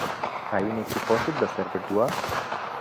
هاوینێکی خۆشت بەسەر بردووە؟